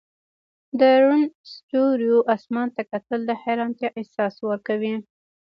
د روڼ ستوریو اسمان ته کتل د حیرانتیا احساس ورکوي.